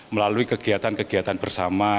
melalui kegiatan kegiatan bersama